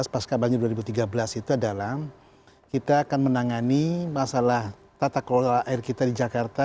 pas kabarnya dua ribu tiga belas itu adalah kita akan menangani masalah tata kelola air kita di jakarta